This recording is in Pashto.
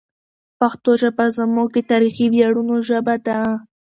پښتو ژبه زموږ د تاریخي ویاړونو ژبه ده.